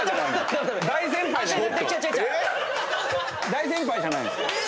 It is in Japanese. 大先輩じゃないですか。